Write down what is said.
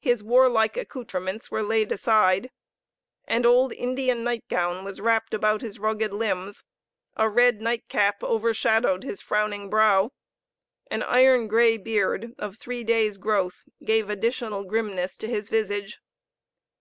His warlike accoutrements were laid aside; an old Indian night gown was wrapped about his rugged limbs; a red nightcap overshadowed his frowning brow; an iron grey beard of three days' growth gave additional grimness to his visage.